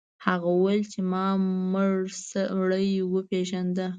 هغه وویل چې ما مړ سړی وپیژنده.